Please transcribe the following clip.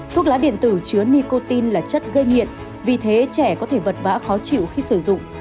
thuốc lá điện tử chứa nicotine là chất gây nghiện vì thế trẻ có thể vật vã khó chịu khi sử dụng